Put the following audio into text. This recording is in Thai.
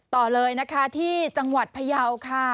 ต่อเลยนะคะที่จังหวัดพยาวค่ะ